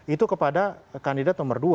itu kepada kandidat nomor dua